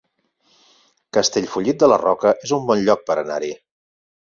Castellfollit de la Roca es un bon lloc per anar-hi